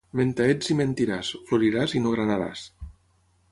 Menta ets i mentiràs; floriràs i no granaràs.